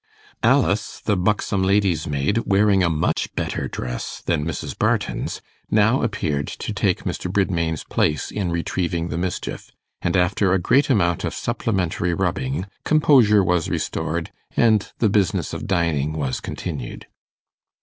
Alice, the buxom lady's maid, wearing a much better dress than Mrs. Barton's, now appeared to take Mr. Bridmain's place in retrieving the mischief, and after a great amount of supplementary rubbing, composure was restored, and the business of dining was continued.